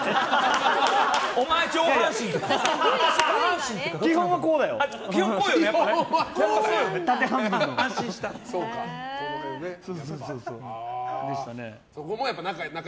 お前上半身、下半身とか。